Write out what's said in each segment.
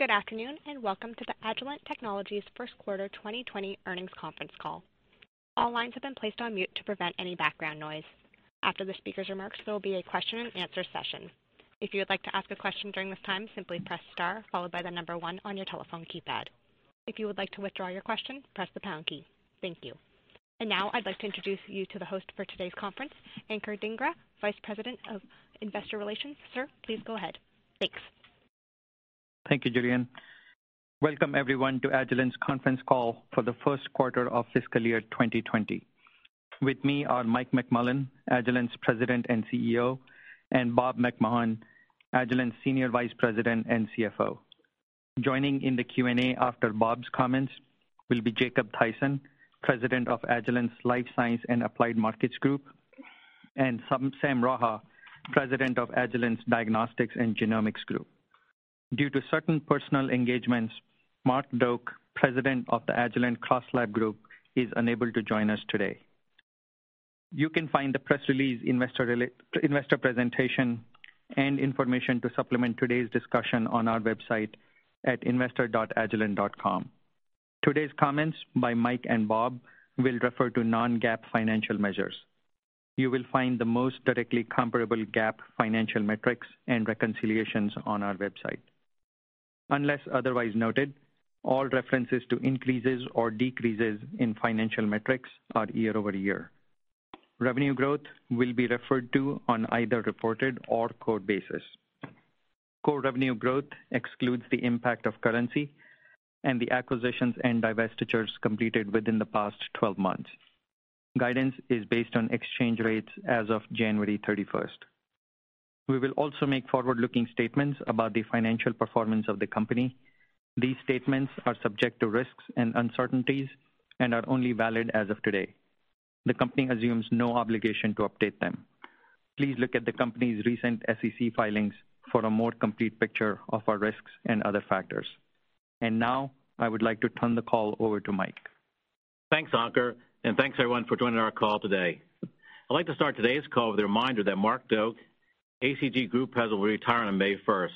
Good afternoon, and welcome to the Agilent Technologies Q1 2020 Earnings Conference Call. All lines have been placed on mute to prevent any background noise. After the speaker's remarks, there will be a question and answer session. If you would like to ask a question during this time, simply press star followed by the number one on your telephone keypad. If you would like to withdraw your question, press the pound key. Thank you. Now I'd like to introduce you to the host for today's conference, Ankur Dhingra, Vice President of Investor Relations. Sir, please go ahead. Thanks. Thank you, Julian. Welcome everyone to Agilent's Conference Call for the Q1 of Fiscal Year 2020. With me are Mike McMullen, Agilent's President and CEO, and Bob McMahon, Agilent's Senior Vice President and CFO. Joining in the Q&A after Bob's comments will be Jacob Thaysen, President of Agilent's Life Science and Applied Markets Group, and Sam Raha, President of Agilent's Diagnostics and Genomics Group. Due to certain personal engagements, Mark Doak, President of the Agilent CrossLab Group, is unable to join us today. You can find the press release, investor presentation, and information to supplement today's discussion on our website at investor.agilent.com. Today's comments by Mike and Bob will refer to non-GAAP financial measures. You will find the most directly comparable GAAP financial metrics and reconciliations on our website. Unless otherwise noted, all references to increases or decreases in financial metrics are year-over-year. Revenue growth will be referred to on either reported or core basis. Core revenue growth excludes the impact of currency and the acquisitions and divestitures completed within the past 12 months. Guidance is based on exchange rates as of January 31st. We will also make forward-looking statements about the financial performance of the company. These statements are subject to risks and uncertainties and are only valid as of today. The company assumes no obligation to update them. Please look at the company's recent SEC filings for a more complete picture of our risks and other factors. Now I would like to turn the call over to Mike. Thanks, Ankur, and thanks everyone for joining our call today. I'd like to start today's call with a reminder that Mark Doak, ACG Group President, will be retiring on May 1st.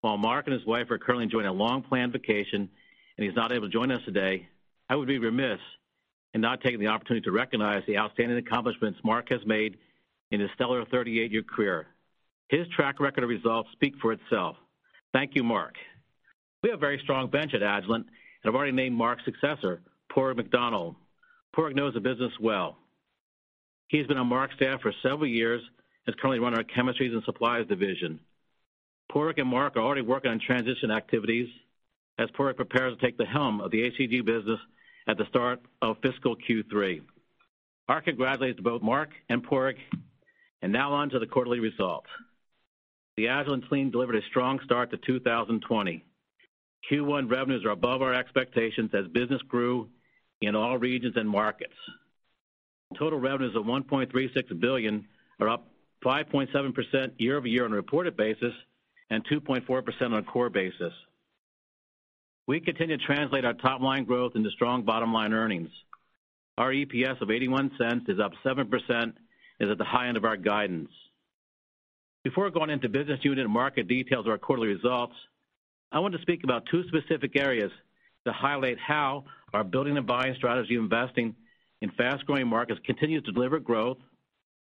While Mark and his wife are currently enjoying a long-planned vacation and he's not able to join us today, I would be remiss in not taking the opportunity to recognize the outstanding accomplishments Mark has made in his stellar 38-year career. His track record of results speak for itself. Thank you, Mark. We have a very strong bench at Agilent, and I've already named Mark's successor, Padraig McDonnell. Padraig knows the business well. He's been on Mark's staff for several years and is currently running our Chemistries and Supplies division. Padraig and Mark are already working on transition activities as Padraig prepares to take the helm of the ACG business at the start of fiscal Q3. Our congrats to both Mark and Padraig, and now on to the quarterly results. The Agilent team delivered a strong start to 2020. Q1 revenues are above our expectations as business grew in all regions and markets. Total revenues of $1.36 billion are up 5.7% year-over-year on a reported basis and 2.4% on a core basis. We continue to translate our top-line growth into strong bottom-line earnings. Our EPS of $0.81 is up 7%, is at the high end of our guidance. Before going into business unit market details of our quarterly results, I want to speak about two specific areas to highlight how our building and buying strategy investing in fast-growing markets continues to deliver growth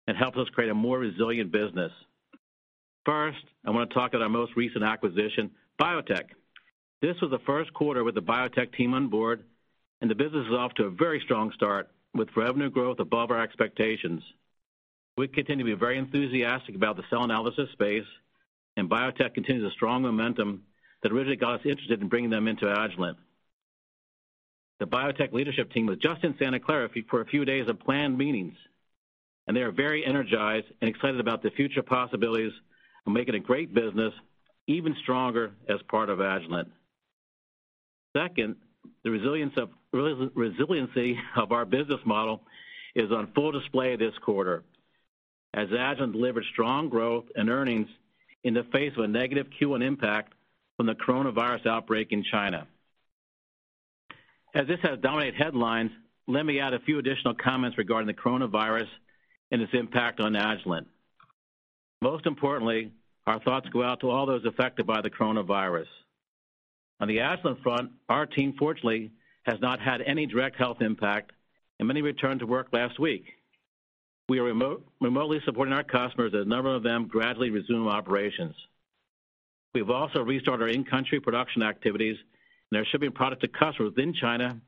and helps us create a more resilient business. First, I want to talk on our most recent acquisition, BioTek. This was the Q1 with the BioTek team on board, and the business is off to a very strong start with revenue growth above our expectations. We continue to be very enthusiastic about the cell analysis space, and BioTek continues a strong momentum that originally got us interested in bringing them into Agilent. The BioTek leadership team was just in Santa Clara for a few days of planned meetings, and they are very energized and excited about the future possibilities of making a great business even stronger as part of Agilent. Second, the resiliency of our business model is on full display this quarter as Agilent delivered strong growth and earnings in the face of a negative Q1 impact from the coronavirus outbreak in China. As this has dominated headlines, let me add a few additional comments regarding the coronavirus and its impact on Agilent. Most importantly, our thoughts go out to all those affected by the coronavirus. On the Agilent front, our team, fortunately, has not had any direct health impact, and many returned to work last week. We are remotely supporting our customers as a number of them gradually resume operations. We've also restarted our in-country production activities, and they're shipping product to customers within China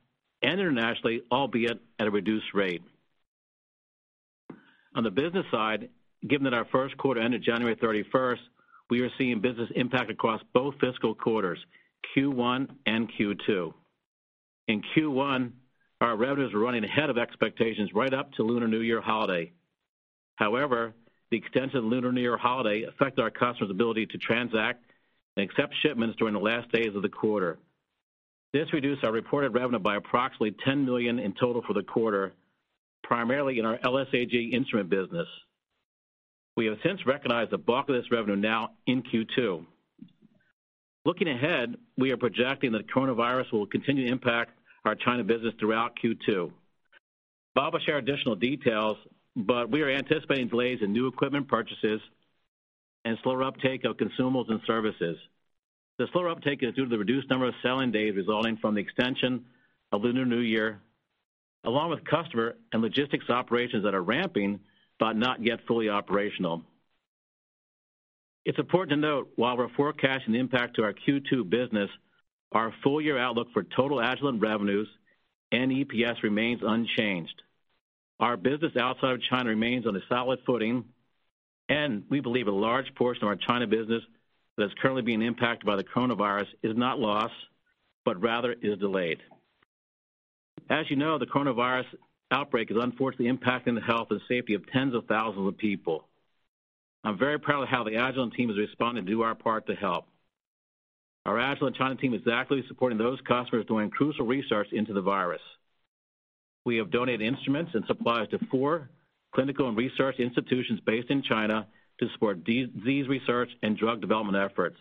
and internationally, albeit at a reduced rate. On the business side, given that our Q1 ended January 31st, we are seeing business impact across both fiscal quarters, Q1 and Q2. In Q1, our revenues were running ahead of expectations right up to Lunar New Year holiday. The extended Lunar New Year holiday affected our customers' ability to transact and accept shipments during the last days of the quarter. This reduced our reported revenue by approximately $10 million in total for the quarter, primarily in our LSAG instrument business. We have since recognized the bulk of this revenue now in Q2. Looking ahead, we are projecting that coronavirus will continue to impact our China business throughout Q2. Bob will share additional details, but we are anticipating delays in new equipment purchases and slower uptake of consumables and services. The slower uptake is due to the reduced number of selling days resulting from the extension of the Lunar New Year, along with customer and logistics operations that are ramping but not yet fully operational. It's important to note, while we're forecasting the impact to our Q2 business, our full year outlook for total Agilent revenues and EPS remains unchanged. Our business outside of China remains on a solid footing, and we believe a large portion of our China business that is currently being impacted by the coronavirus is not lost, but rather is delayed. As you know, the coronavirus outbreak is unfortunately impacting the health and safety of tens of thousands of people. I am very proud of how the Agilent team has responded to do our part to help. Our Agilent China team is actively supporting those customers doing crucial research into the virus. We have donated instruments and supplies to four clinical and research institutions based in China to support disease research and drug development efforts.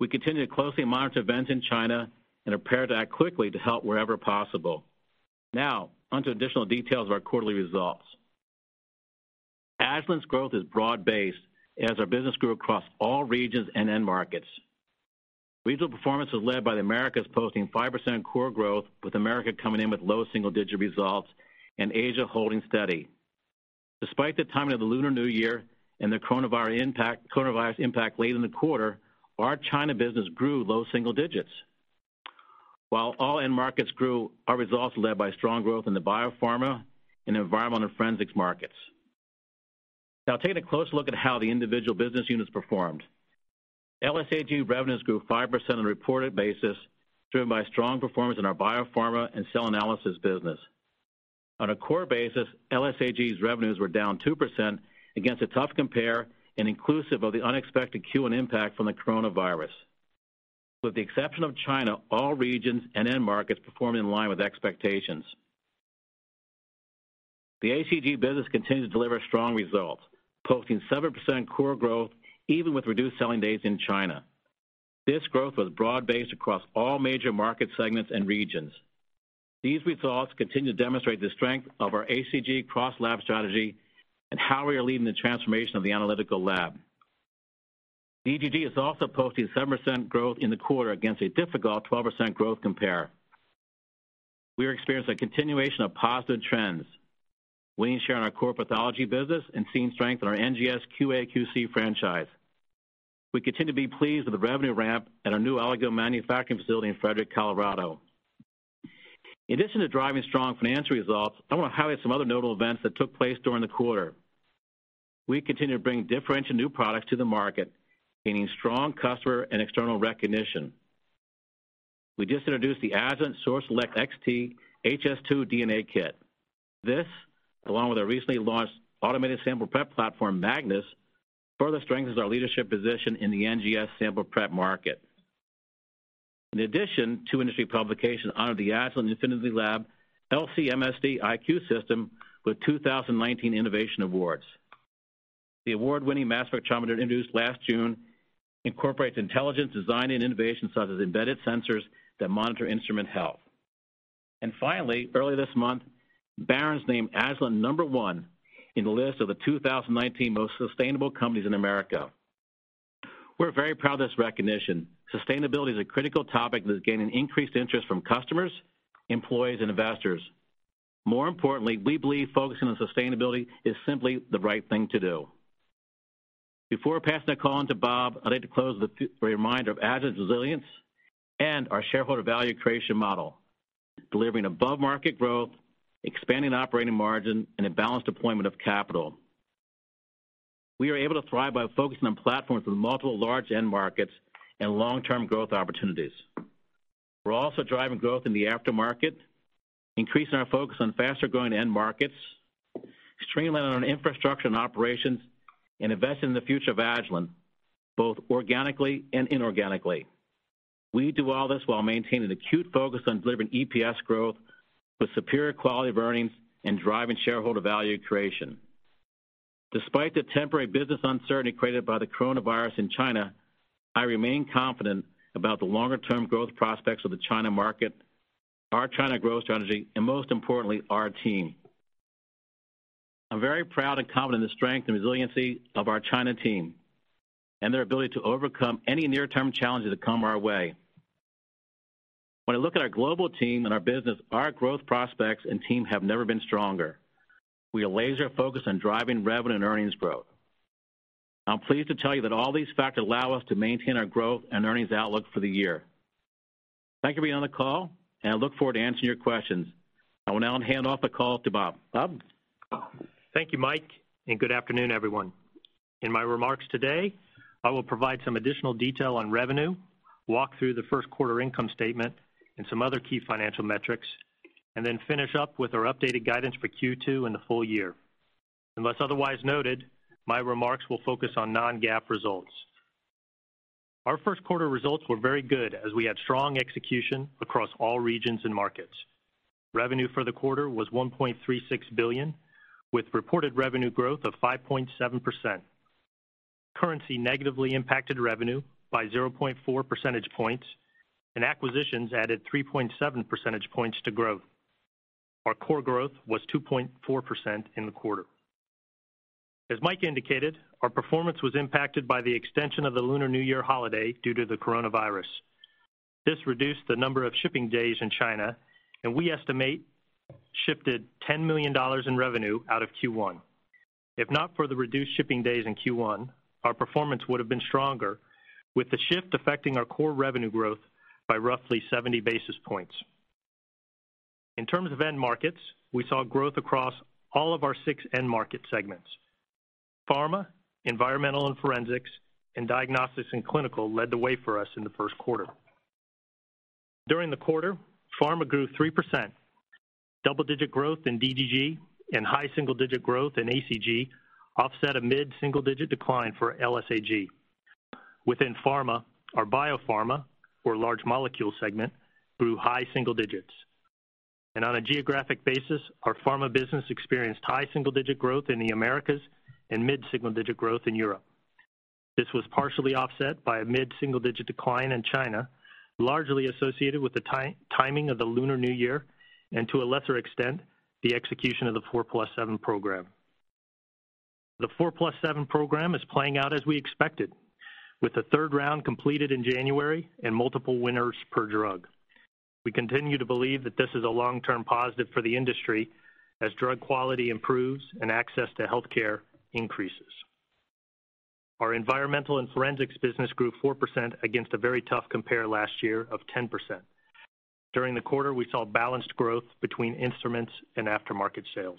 We continue to closely monitor events in China and are prepared to act quickly to help wherever possible. Now, on to additional details of our quarterly results. Agilent's growth is broad-based, as our business grew across all regions and end markets. Regional performance was led by the Americas posting 5% core growth, with America coming in with low single-digit results, and Asia holding steady. Despite the timing of the Lunar New Year and the coronavirus impact late in the quarter, our China business grew low single digits. While all end markets grew, our results were led by strong growth in the biopharma and environmental and forensics markets. Now taking a closer look at how the individual business units performed. LSAG revenues grew 5% on a reported basis, driven by strong performance in our biopharma and cell analysis business. On a core basis, LSAG's revenues were down 2% against a tough compare and inclusive of the unexpected Q1 impact from the coronavirus. With the exception of China, all regions and end markets performed in line with expectations. The ACG business continued to deliver strong results, posting 7% core growth even with reduced selling days in China. This growth was broad-based across all major market segments and regions. These results continue to demonstrate the strength of our ACG CrossLab strategy and how we are leading the transformation of the analytical lab. DGG is also posting 7% growth in the quarter against a difficult 12% growth compare. We are experiencing a continuation of positive trends, winning share in our core pathology business and seeing strength in our NGS QA/QC franchise. We continue to be pleased with the revenue ramp at our new oligo manufacturing facility in Frederick, Colorado. In addition to driving strong financial results, I want to highlight some other notable events that took place during the quarter. We continue to bring differentiated new products to the market, gaining strong customer and external recognition. We just introduced the Agilent SureSelect XT HS2 DNA Kit. This, along with our recently launched automated sample prep platform, Magnis, further strengthens our leadership position in the NGS sample prep market. Two industry publications honored the Agilent InfinityLab LC/MSD iQ system with 2019 Innovation Awards. The award-winning mass spectrometer introduced last June incorporates intelligent design and innovations such as embedded sensors that monitor instrument health. Earlier this month, Barron's named Agilent number 1 in the list of the 2019 Most Sustainable Companies in America. We're very proud of this recognition. Sustainability is a critical topic that is gaining increased interest from customers, employees, and investors. More importantly, we believe focusing on sustainability is simply the right thing to do. Before passing the call on to Bob, I'd like to close with a reminder of Agilent's resilience and our shareholder value creation model, delivering above-market growth, expanding operating margin, and a balanced deployment of capital. We are able to thrive by focusing on platforms with multiple large end markets and long-term growth opportunities. We're also driving growth in the aftermarket, increasing our focus on faster-growing end markets, streamlining on infrastructure and operations, and investing in the future of Agilent, both organically and inorganically. We do all this while maintaining an acute focus on delivering EPS growth with superior quality of earnings and driving shareholder value creation. Despite the temporary business uncertainty created by the coronavirus in China, I remain confident about the longer-term growth prospects of the China market, our China growth strategy, and most importantly, our team. I'm very proud and confident in the strength and resiliency of our China team and their ability to overcome any near-term challenges that come our way. When I look at our global team and our business, our growth prospects and team have never been stronger. We are laser focused on driving revenue and earnings growth. I'm pleased to tell you that all these factors allow us to maintain our growth and earnings outlook for the year. Thank you for being on the call, and I look forward to answering your questions. I will now hand off the call to Bob. Bob? Thank you, Mike, and good afternoon, everyone. In my remarks today, I will provide some additional detail on revenue, walk through the Q1 income statement and some other key financial metrics, and then finish up with our updated guidance for Q2 and the full year. Unless otherwise noted, my remarks will focus on non-GAAP results. Our Q1 results were very good as we had strong execution across all regions and markets. Revenue for the quarter was $1.36 billion with reported revenue growth of 5.7%. Currency negatively impacted revenue by 0.4 percentage points, and acquisitions added 3.7 percentage points to growth. Our core growth was 2.4% in the quarter. As Mike indicated, our performance was impacted by the extension of the Lunar New Year holiday due to the coronavirus. This reduced the number of shipping days in China, and we estimate shifted $10 million in revenue out of Q1. If not for the reduced shipping days in Q1, our performance would have been stronger, with the shift affecting our core revenue growth by roughly 70 basis points. In terms of end markets, we saw growth across all of our six end market segments. Pharma, environmental and forensics, and diagnostics and clinical led the way for us in Q1. During the quarter, pharma grew 3%. Double-digit growth in DGG and high single-digit growth in ACG offset a mid-single-digit decline for LSAG. Within pharma, our biopharma, or large molecule segment, grew high single digits. On a geographic basis, our pharma business experienced high single-digit growth in the Americas and mid-single-digit growth in Europe. This was partially offset by a mid-single-digit decline in China, largely associated with the timing of the Lunar New Year and, to a lesser extent, the execution of the 4+7 program. The 4+7 program is playing out as we expected, with the third round completed in January and multiple winners per drug. We continue to believe that this is a long-term positive for the industry as drug quality improves and access to healthcare increases. Our environmental and forensics business grew 4% against a very tough compare last year of 10%. During the quarter, we saw balanced growth between instruments and aftermarket sales.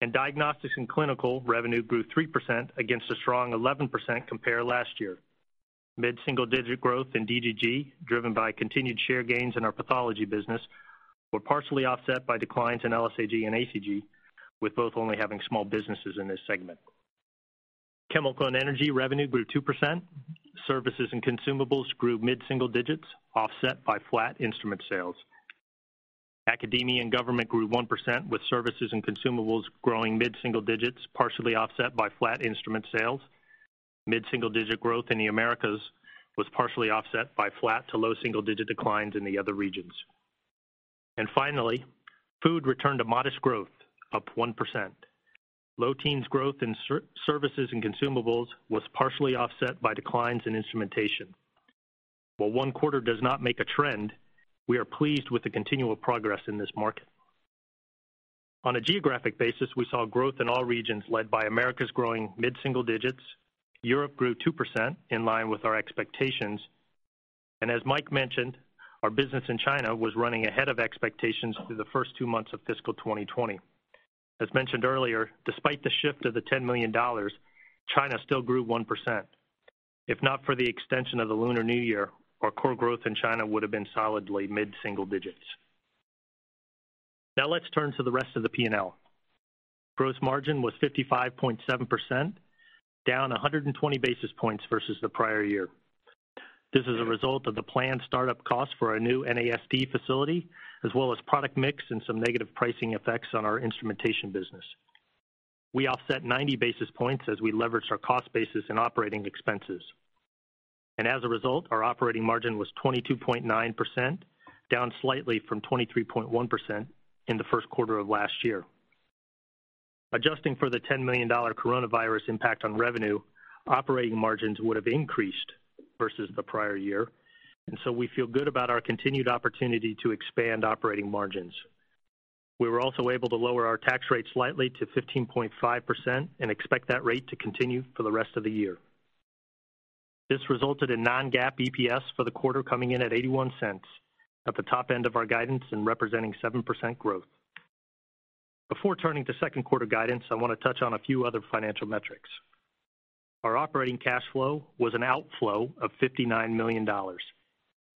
In diagnostics and clinical, revenue grew 3% against a strong 11% compare last year. Mid-single-digit growth in DGG, driven by continued share gains in our pathology business, were partially offset by declines in LSAG and ACG, with both only having small businesses in this segment. Chemical and energy revenue grew 2%. Services and consumables grew mid-single digits, offset by flat instrument sales. Academia and government grew 1%, with services and consumables growing mid-single digits, partially offset by flat instrument sales. Mid-single-digit growth in the Americas was partially offset by flat to low single-digit declines in the other regions. Finally, food returned to modest growth, up 1%. Low teens growth in services and consumables was partially offset by declines in instrumentation. While one quarter does not make a trend, we are pleased with the continual progress in this market. On a geographic basis, we saw growth in all regions led by Americas growing mid-single digits. Europe grew 2%, in line with our expectations. As Mike mentioned, our business in China was running ahead of expectations through the first two months of fiscal 2020. As mentioned earlier, despite the shift of the $10 million, China still grew 1%. If not for the extension of the Lunar New Year, our core growth in China would have been solidly mid-single digits. Let's turn to the rest of the P&L. Gross margin was 55.7%, down 120 basis points versus the prior year. This is a result of the planned startup cost for our new NASD facility, as well as product mix and some negative pricing effects on our instrumentation business. We offset 90 basis points as we leveraged our cost basis in operating expenses. As a result, our operating margin was 22.9%, down slightly from 23.1% in the Q1 of last year. Adjusting for the $10 million coronavirus impact on revenue, operating margins would have increased versus the prior year, and so we feel good about our continued opportunity to expand operating margins. We were also able to lower our tax rate slightly to 15.5% and expect that rate to continue for the rest of the year. This resulted in non-GAAP EPS for the quarter coming in at $0.81, at the top end of our guidance and representing 7% growth. Before turning to Q2 guidance, I want to touch on a few other financial metrics. Our operating cash flow was an outflow of $59 million,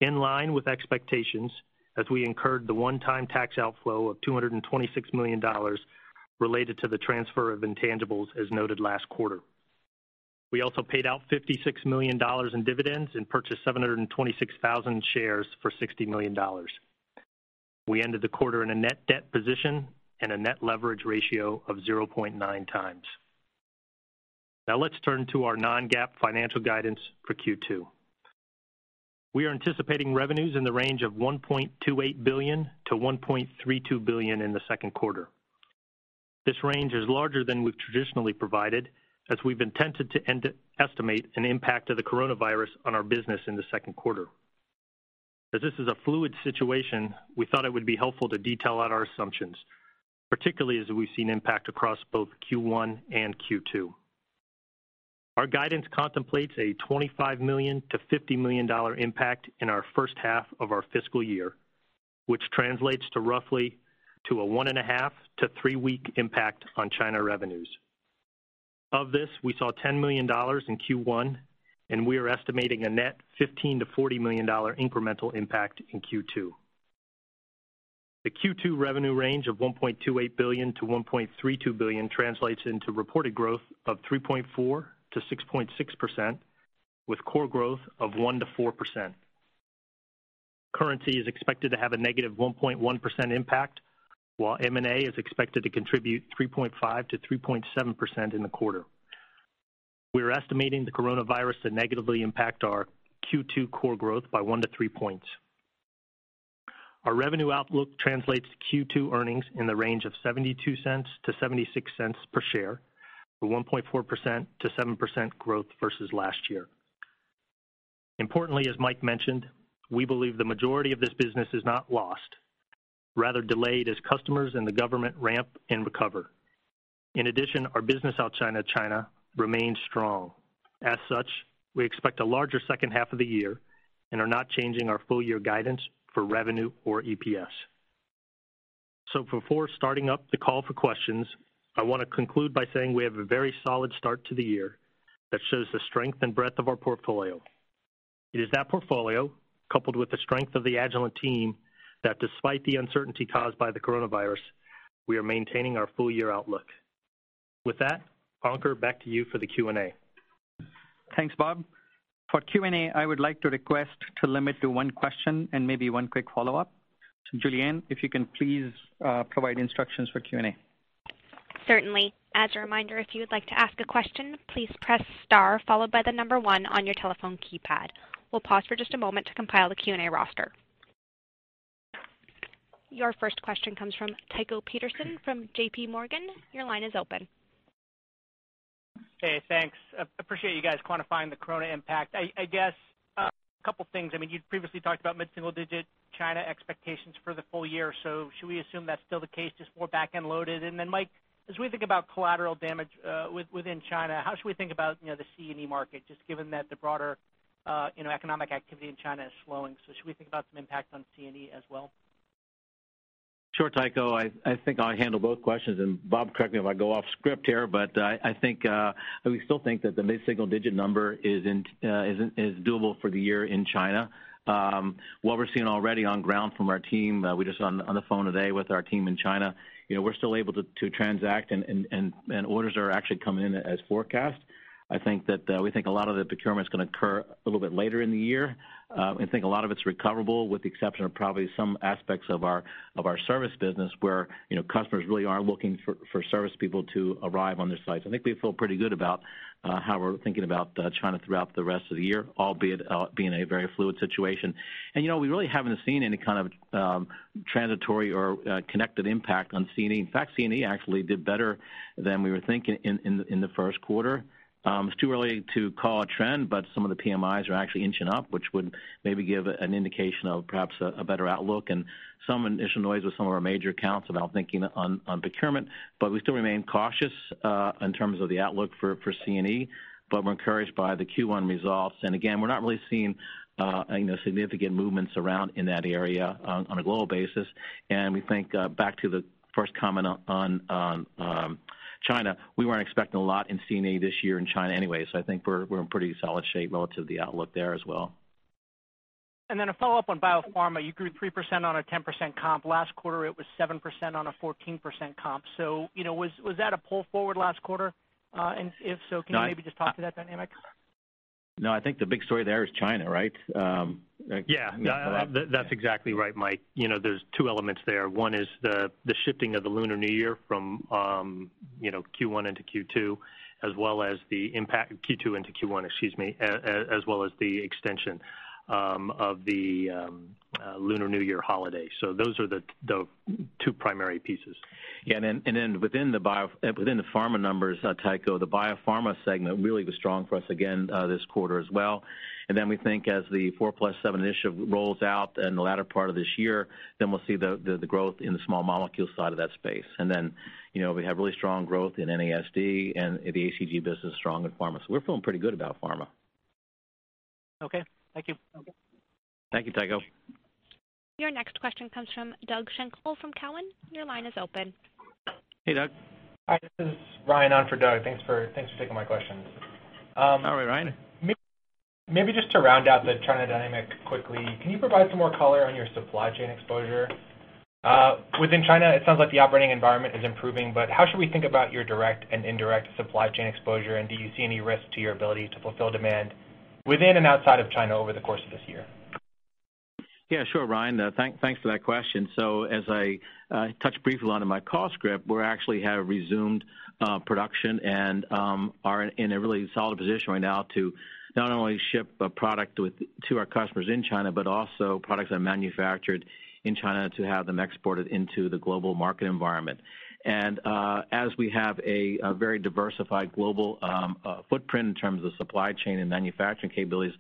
in line with expectations as we incurred the one-time tax outflow of $226 million related to the transfer of intangibles, as noted last quarter. We also paid out $56 million in dividends and purchased 726,000 shares for $60 million. We ended the quarter in a net debt position and a net leverage ratio of 0.9x. Now let's turn to our non-GAAP financial guidance for Q2. We are anticipating revenues in the range of $1.28 billion-$1.32 billion in the Q2. This range is larger than we've traditionally provided, as we've intended to estimate an impact of the coronavirus on our business in Q2. As this is a fluid situation, we thought it would be helpful to detail out our assumptions, particularly as we've seen impact across both Q1 and Q2. Our guidance contemplates a $25 million-$50 million impact in our H1 of our fiscal year, which translates to roughly to a one and a half to three-week impact on China revenues. Of this, we saw $10 million in Q1, and we are estimating a net $15 million-$40 million incremental impact in Q2. The Q2 revenue range of $1.28 billion to $1.32 billion translates into reported growth of 3.4%-6.6%, with core growth of 1%-4%. Currency is expected to have a negative 1.1% impact, while M&A is expected to contribute 3.5%-3.7% in the quarter. We're estimating the coronavirus to negatively impact our Q2 core growth by one to three points. Our revenue outlook translates Q2 earnings in the range of $0.72 to $0.76 per share, with 1.4%-7% growth versus last year. Importantly, as Mike mentioned, we believe the majority of this business is not lost, rather delayed as customers and the government ramp and recover. In addition, our business outside of China remains strong. As such, we expect a larger H2 of the year and are not changing our full year guidance for revenue or EPS. Before starting up the call for questions, I want to conclude by saying we have a very solid start to the year that shows the strength and breadth of our portfolio. It is that portfolio, coupled with the strength of the Agilent team, that despite the uncertainty caused by the coronavirus, we are maintaining our full-year outlook. With that, Ankur, back to you for the Q&A. Thanks, Bob. For Q&A, I would like to request to limit to one question and maybe one quick follow-up. Julian, if you can please provide instructions for Q&A. Certainly. As a reminder, if you would like to ask a question, please press star followed by the number one on your telephone keypad. We'll pause for just a moment to compile the Q&A roster. Your first question comes from Tycho Peterson from J.P. Morgan. Your line is open. Okay, thanks. Appreciate you guys quantifying the corona impact. I guess a couple things. You previously talked about mid-single digit China expectations for the full year, should we assume that's still the case, just more back-end loaded? Mike, as we think about collateral damage within China, how should we think about the C&E market, just given that the broader economic activity in China is slowing. Should we think about some impact on C&E as well? Sure, Tycho. I think I'll handle both questions, Bob, correct me if I go off script here, I think we still think that the mid-single digit number is doable for the year in China. What we're seeing already on ground from our team, we were just on the phone today with our team in China. We're still able to transact and orders are actually coming in as forecast. We think a lot of the procurement's going to occur a little bit later in the year, Think a lot of it's recoverable with the exception of probably some aspects of our service business where customers really are looking for service people to arrive on their sites. I think we feel pretty good about how we're thinking about China throughout the rest of the year, albeit being a very fluid situation. We really haven't seen any kind of transitory or connected impact on C&E. In fact, C&E actually did better than we were thinking in Q1. It's too early to call a trend, but some of the PMIs are actually inching up, which would maybe give an indication of perhaps a better outlook and some initial noise with some of our major accounts about thinking on procurement. We still remain cautious in terms of the outlook for C&E, but we're encouraged by the Q1 results. Again, we're not really seeing significant movements around in that area on a global basis, and we think back to the first comment on China, we weren't expecting a lot in C&E this year in China anyway. I think we're in pretty solid shape relative to the outlook there as well. A follow-up on biopharma. You grew 3% on a 10% comp. Last quarter it was 7% on a 14% comp. Was that a pull forward last quarter? If so, can you maybe just talk to that dynamic? No, I think the big story there is China, right? Yeah. That's exactly right, Mike. There's two elements there. One is the shifting of the Lunar New Year from Q1 into Q2 into Q1, excuse me, as well as the extension of the Lunar New Year holiday. Those are the two primary pieces. Yeah, within the pharma numbers, Tycho, the biopharma segment really was strong for us again this quarter as well. We think as the 4+7 initiative rolls out in the latter part of this year, we'll see the growth in the small molecule side of that space. We have really strong growth in NASD and the ACG business is strong in pharma. We're feeling pretty good about pharma. Okay. Thank you. Thank you, Tycho. Your next question comes from Doug Schenkel from Cowen. Your line is open. Hey, Doug. Hi, this is Ryan on for Doug. Thanks for taking my questions. How are you, Ryan? Maybe just to round out the China dynamic quickly, can you provide some more color on your supply chain exposure? Within China, it sounds like the operating environment is improving, but how should we think about your direct and indirect supply chain exposure, and do you see any risk to your ability to fulfill demand within and outside of China over the course of this year? Yeah, sure, Ryan. Thanks for that question. As I touched briefly on in my call script, we actually have resumed production and are in a really solid position right now to not only ship a product to our customers in China, but also products that are manufactured in China to have them exported into the global market environment. As we have a very diversified global footprint in terms of supply chain and manufacturing capabilities,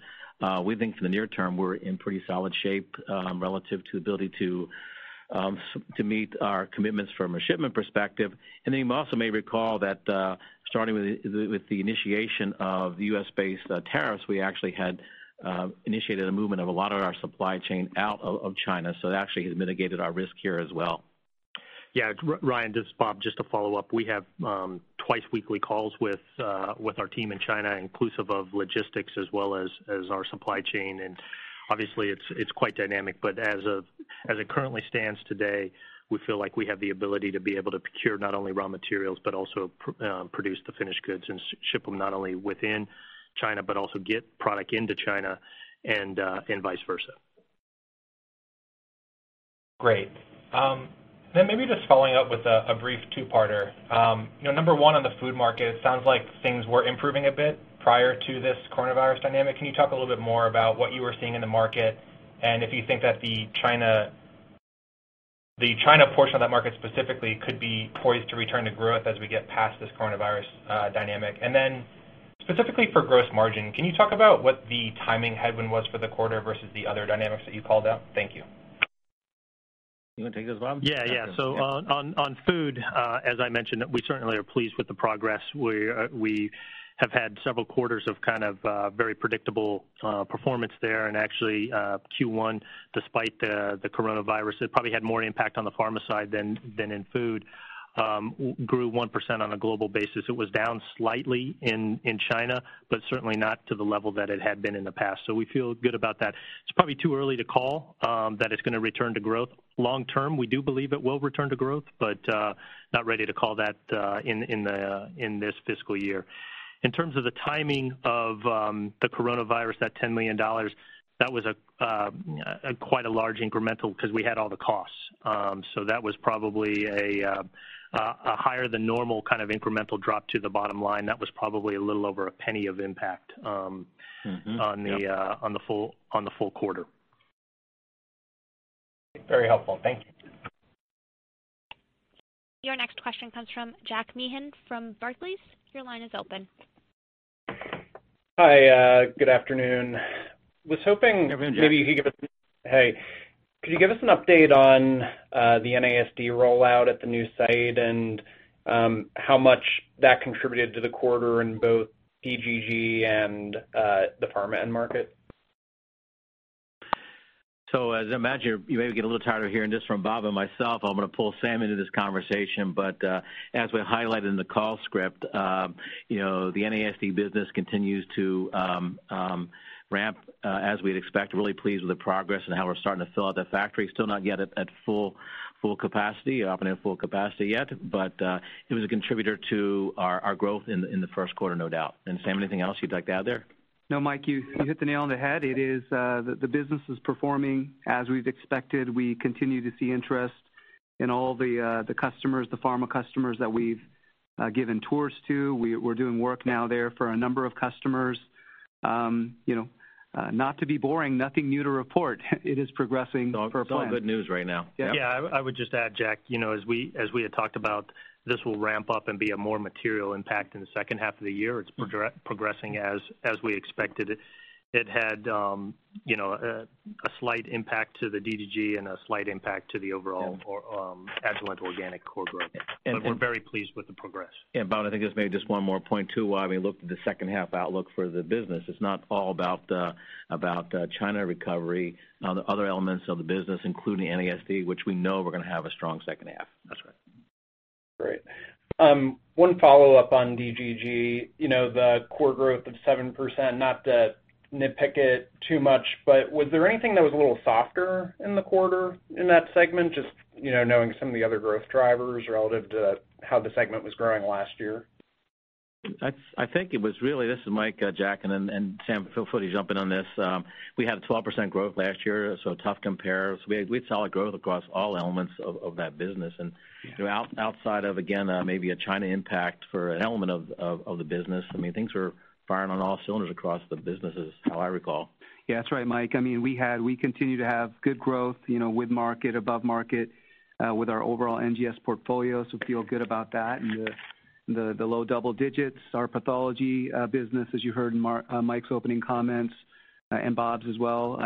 we think for the near term, we're in pretty solid shape relative to ability to meet our commitments from a shipment perspective. You also may recall that starting with the initiation of U.S.-based tariffs, we actually had initiated a movement of a lot of our supply chain out of China. That actually has mitigated our risk here as well. Yeah. Ryan, this is Bob, just to follow up. We have twice weekly calls with our team in China, inclusive of logistics as well as our supply chain. Obviously it's quite dynamic, but as it currently stands today, we feel like we have the ability to be able to procure not only raw materials, but also produce the finished goods and ship them not only within China, but also get product into China and vice versa. Great. Maybe just following up with a brief two-parter. Number one on the food market, it sounds like things were improving a bit prior to this coronavirus dynamic. Can you talk a little bit more about what you were seeing in the market, and if you think that the China portion of that market specifically could be poised to return to growth as we get past this coronavirus dynamic? Specifically for gross margin, can you talk about what the timing headwind was for the quarter versus the other dynamics that you called out? Thank you. You want to take this, Bob? Yeah. On food, as I mentioned, we certainly are pleased with the progress. We have had several quarters of very predictable performance there. Actually, Q1, despite the coronavirus, it probably had more impact on the pharma side than in food, grew 1% on a global basis. It was down slightly in China, certainly not to the level that it had been in the past. We feel good about that. It's probably too early to call that it's going to return to growth long-term. We do believe it will return to growth, not ready to call that in this fiscal year. In terms of the timing of the coronavirus, that $10 million, that was quite a large incremental because we had all the costs. That was probably a higher than normal kind of incremental drop to the bottom line. That was probably a little over $0.01 of impact on the full quarter. Very helpful. Thank you. Your next question comes from Jack Meehan from Barclays. Your line is open. Hi, good afternoon. Good afternoon, Jack. Hey. Could you give us an update on the NASD rollout at the new site and how much that contributed to the quarter in both DGG and the pharma end market? As I imagine, you may be getting a little tired of hearing this from Bob and myself. I'm going to pull Sam into this conversation. As we highlighted in the call script, the NASD business continues to ramp as we'd expect. Really pleased with the progress and how we're starting to fill out that factory. Still not yet at full capacity, operating at full capacity yet. It was a contributor to our growth in Q1, no doubt. Sam, anything else you'd like to add there? No, Mike, you hit the nail on the head. The business is performing as we've expected. We continue to see interest in all the customers, the pharma customers that we've given tours to. We're doing work now there for a number of customers. Not to be boring, nothing new to report. It is progressing per plan. It's all good news right now. Yeah. I would just add, Jack, as we had talked about, this will ramp up and be a more material impact in the H2 of the year. It's progressing as we expected. It had a slight impact to the DGG and a slight impact to the overall Agilent organic core growth. We're very pleased with the progress. Bob, I think there's maybe just one more point too, while we look at the H2 outlook for the business. It's not all about the China recovery. The other elements of the business, including NASD, which we know are going to have a strong H2. That's right. Great. One follow-up on DGG. The core growth of 7%, not to nitpick it too much, was there anything that was a little softer in the quarter in that segment? Just knowing some of the other growth drivers relative to how the segment was growing last year. I think it was really, this is Mike, Jack, and Sam, feel free to jump in on this. We had 12% growth last year, so tough compares. We had solid growth across all elements of that business. Yeah. Outside of, again, maybe a China impact for an element of the business, things were firing on all cylinders across the businesses, how I recall. Yeah, that's right, Mike. We continue to have good growth with market, above market, with our overall NGS portfolio, so feel good about that. The low double digits, our pathology business, as you heard in Mike's opening comments, and Bob's as well,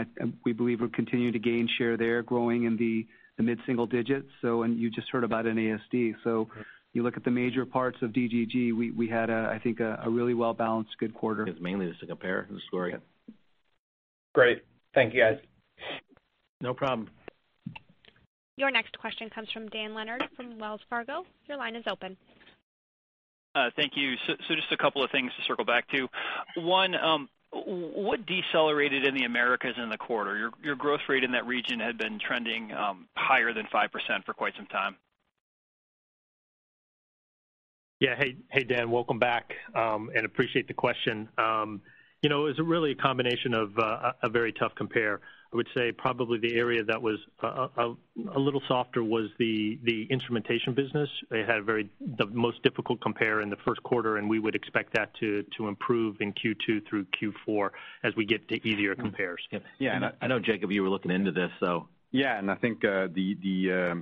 we believe we're continuing to gain share there, growing in the mid-single digits. You just heard about NASD. You look at the major parts of DGG, we had, I think, a really well-balanced good quarter. It's mainly just to compare the scoring. Great. Thank you, guys. No problem. Your next question comes from Dan Leonard from Wells Fargo. Your line is open. Thank you. Just a couple of things to circle back to. One, what decelerated in the Americas in the quarter? Your growth rate in that region had been trending higher than 5% for quite some time. Yeah. Hey, Dan, welcome back, and appreciate the question. It was really a combination of a very tough compare. I would say probably the area that was a little softer was the instrumentation business. They had the most difficult compare in Q1, and we would expect that to improve in Q2 through Q4 as we get to easier compares. Yeah, I know Jacob, you were looking into this, so- I think the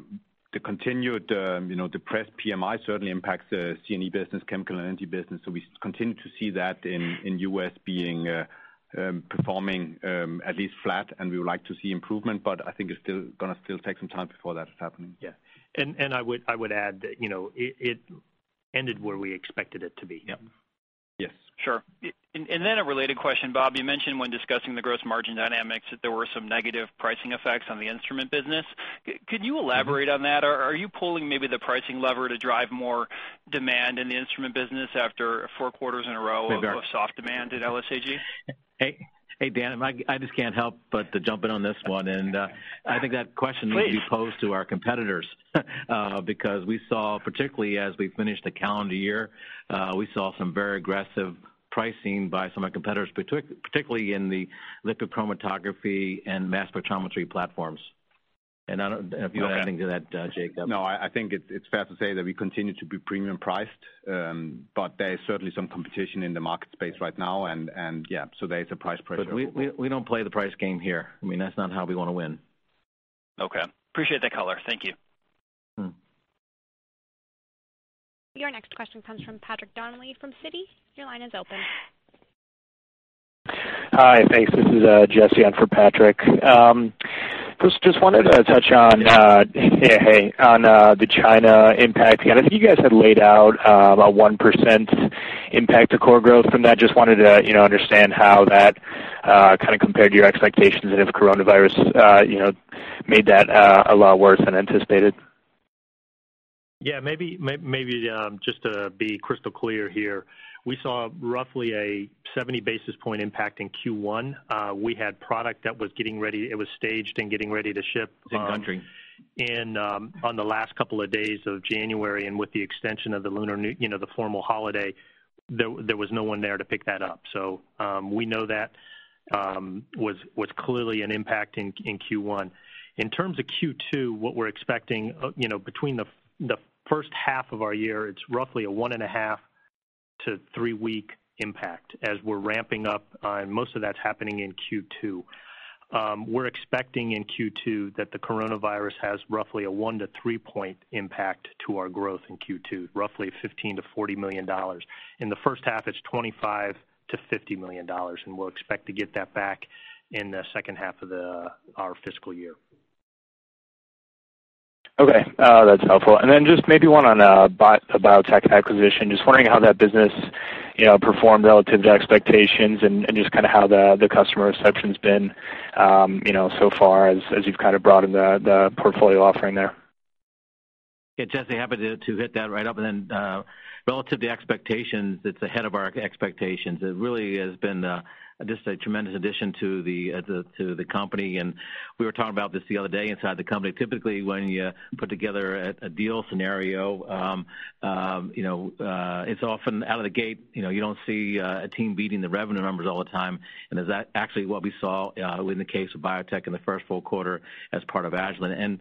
continued depressed PMI certainly impacts C&E business, chemical and energy business. We continue to see that in U.S. performing at least flat, and we would like to see improvement, but I think it's going to still take some time before that's happening. Yeah. I would add that it ended where we expected it to be. Yep. Yes. Sure. A related question, Bob, you mentioned when discussing the gross margin dynamics that there were some negative pricing effects on the instrument business. Could you elaborate on that? Are you pulling maybe the pricing lever to drive more demand in the instrument business after four quarters in a row of soft demand at LSAG? Hey, Dan. I just can't help but to jump in on this one, and I think that question-. Please. ...needs to be posed to our competitors. Because we saw, particularly as we finished the calendar year, we saw some very aggressive pricing by some of our competitors, particularly in the liquid chromatography and mass spectrometry platforms. I don't know if you're adding to that, Jacob? No. I think it's fair to say that we continue to be premium priced. There is certainly some competition in the market space right now. There's a price pressure. We don't play the price game here. I mean, that's not how we want to win. Okay. Appreciate that color. Thank you. Your next question comes from Patrick Donnelly from Citi. Your line is open. Hi, thanks. This is Jesse on for Patrick. Yeah. Hey. On the China impact. I think you guys had laid out about 1% impact to core growth from that. Just wanted to understand how that kind of compared to your expectations and if coronavirus made that a lot worse than anticipated? Yeah, maybe just to be crystal clear here, we saw roughly a 70 basis point impact in Q1. We had product that was getting ready, it was staged and getting ready to ship in country on the last couple of days of January, and with the extension of the formal holiday, there was no one there to pick that up. We know that was clearly an impact in Q1. In terms of Q2, what we're expecting, between the H1 of our year, it's roughly a one and a half to three-week impact as we're ramping up, and most of that's happening in Q2. We're expecting in Q2 that the coronavirus has roughly a one to three-point impact to our growth in Q2, roughly $15 million-$40 million. In the H1, it's $25 million-$50 million. We'll expect to get that back in the H2 of our fiscal year. Okay. That's helpful. Just maybe one on the BioTek acquisition. Just wondering how that business performed relative to expectations and just how the customer reception's been so far as you've kind of broadened the portfolio offering there. Yeah, Jesse, happy to hit that right up. Relative to the expectations, it's ahead of our expectations. It really has been just a tremendous addition to the company, and we were talking about this the other day inside the company. Typically, when you put together a deal scenario, it's often out of the gate, you don't see a team beating the revenue numbers all the time, and that's actually what we saw in the case of BioTek in Q1 as part of Agilent.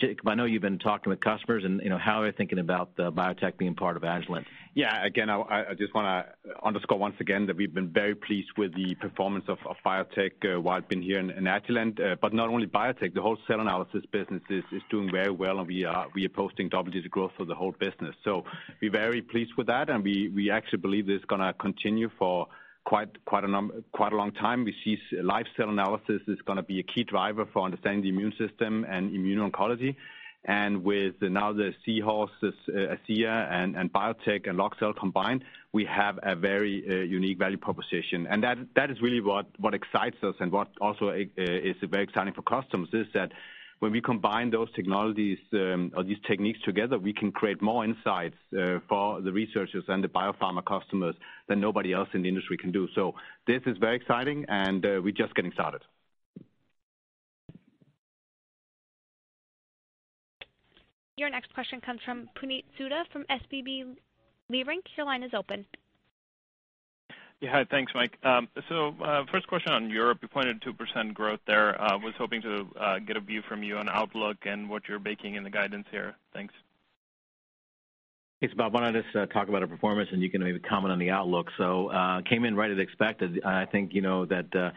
Jacob, I know you've been talking with customers and how are they thinking about BioTek being part of Agilent? Yeah, again, I just want to underscore once again that we've been very pleased with the performance of BioTek while it's been here in Agilent. Not only BioTek, the whole cell analysis business is doing very well, and we are posting double digit growth for the whole business. We're very pleased with that, and we actually believe that it's going to continue for quite a long time. We see live cell analysis is going to be a key driver for understanding the immune system and immune oncology. With now the Seahorse, ACEA, and BioTek, and Luxcel combined, we have a very unique value proposition. That is really what excites us and what also is very exciting for customers is that when we combine those technologies or these techniques together, we can create more insights for the researchers and the biopharma customers than nobody else in the industry can do. This is very exciting, and we're just getting started. Your next question comes from Puneet Souda from SVB Leerink. Your line is open. Yeah. Hi. Thanks, Mike. First question on Europe. You pointed to 2% growth there. I was hoping to get a view from you on outlook and what you're baking in the guidance here. Thanks. Thanks. Bob, why don't I just talk about our performance, and you can maybe comment on the outlook. Came in right as expected, and I think that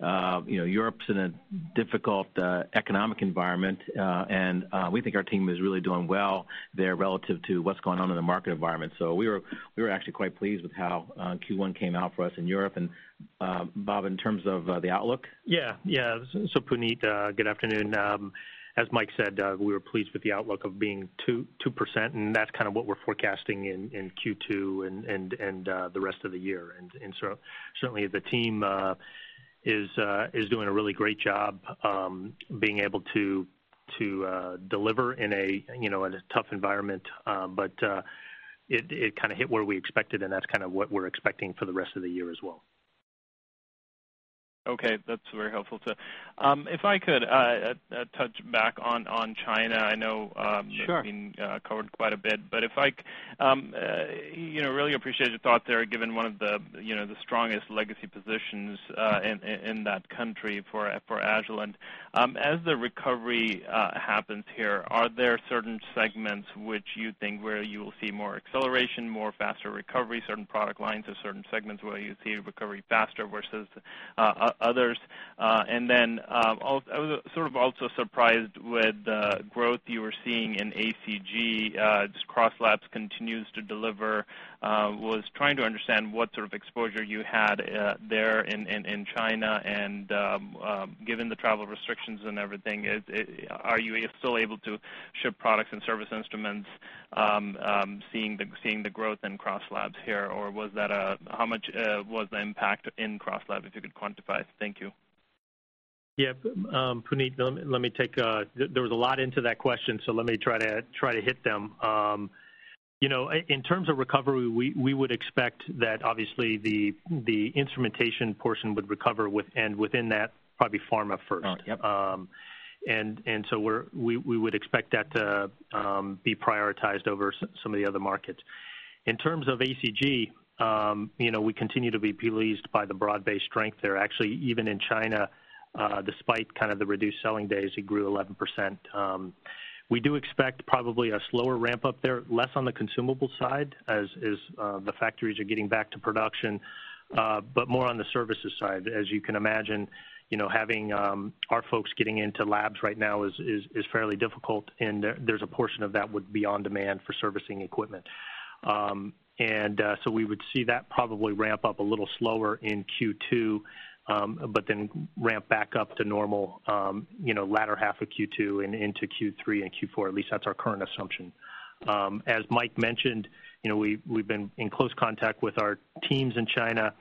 Europe's in a difficult economic environment, and we think our team is really doing well there relative to what's going on in the market environment. We were actually quite pleased with how Q1 came out for us in Europe. Bob, in terms of the outlook? Yeah. Puneet, good afternoon. As Mike said, we were pleased with the outlook of being 2%, and that's kind of what we're forecasting in Q2 and the rest of the year. Certainly the team is doing a really great job being able to deliver in a tough environment. It kind of hit where we expected, and that's kind of what we're expecting for the rest of the year as well. Okay. That's very helpful. If I could touch back on China. Sure. I know it's been covered quite a bit, but really appreciate your thought there, given one of the strongest legacy positions in that country for Agilent. As the recovery happens here, are there certain segments which you think where you will see more acceleration, more faster recovery, certain product lines or certain segments where you see recovery faster versus others? I was sort of also surprised with the growth you were seeing in ACG, as CrossLab continues to deliver, was trying to understand what sort of exposure you had there in China, and given the travel restrictions and everything, are you still able to ship products and service instruments, seeing the growth in CrossLab here, or how much was the impact in CrossLab, if you could quantify it? Thank you. Yeah. Puneet, let me take-- there was a lot into that question, so let me try to hit them. In terms of recovery, we would expect that obviously the instrumentation portion would recover, and within that, probably pharma first. We would expect that to be prioritized over some of the other markets. In terms of ACG, we continue to be pleased by the broad-based strength there. Even in China, despite the reduced selling days, it grew 11%. We do expect probably a slower ramp-up there, less on the consumable side as the factories are getting back to production, but more on the services side. As you can imagine, having our folks getting into labs right now is fairly difficult, and there's a portion of that would be on-demand for servicing equipment. We would see that probably ramp up a little slower in Q2, but then ramp back up to normal, latter half of Q2 and into Q3 and Q4, at least that's our current assumption. As Mike mentioned, we've been in close contact with our teams in China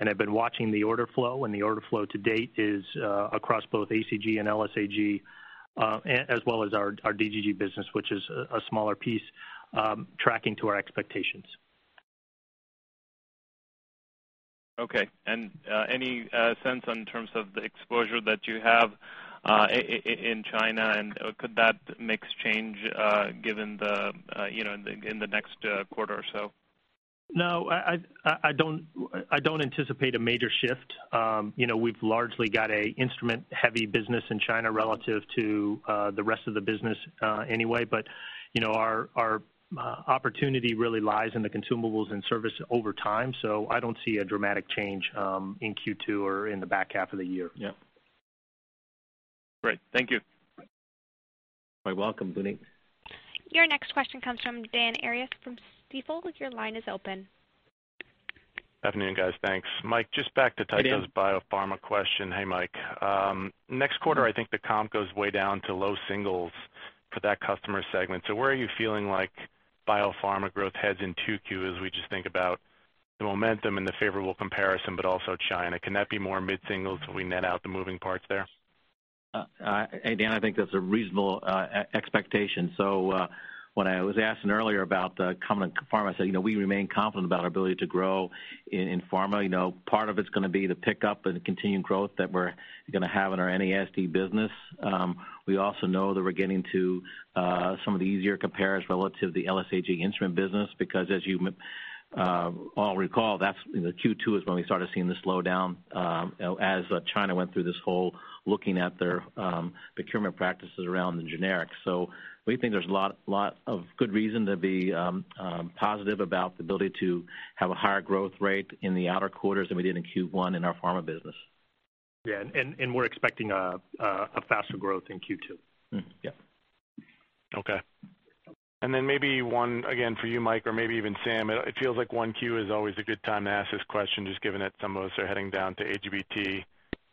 and have been watching the order flow, and the order flow to date is across both ACG and LSAG, as well as our DGG business, which is a smaller piece, tracking to our expectations. Okay. Any sense in terms of the exposure that you have in China, and could that mix change, given in the next quarter or so? No, I don't anticipate a major shift. We've largely got a instrument-heavy business in China relative to the rest of the business anyway. Our opportunity really lies in the consumables and service over time, so I don't see a dramatic change in Q2 or in the H2 of the year. Yeah. Great, thank you. You're welcome, Puneet. Your next question comes from Dan Arias from Stifel. Your line is open. Good afternoon, guys. Thanks. Mike, just back to- Hey, Dan. Those biopharma question. Hey, Mike. Next quarter, I think the comp goes way down to low singles for that customer segment. Where are you feeling like biopharma growth heads in Q2, as we just think about the momentum and the favorable comparison, but also China? Can that be more mid-singles when we net out the moving parts there? Hey, Dan, I think that's a reasonable expectation. When I was asked earlier about the coming pharma, I said, we remain confident about our ability to grow in pharma. Part of it's going to be the pickup and the continued growth that we're going to have in our NASD business. We also know that we're getting to some of the easier compares relative to the LSAG instrument business, because as you all recall, Q2 is when we started seeing this slowdown as China went through this whole looking at their procurement practices around the generics. We think there's a lot of good reason to be positive about the ability to have a higher growth rate in the outer quarters than we did in Q1 in our pharma business. Yeah, we're expecting a faster growth in Q2. Okay. Maybe one, again, for you, Mike, or maybe even Sam, it feels like Q1 is always a good time to ask this question, just given that some of us are heading down to AGBT.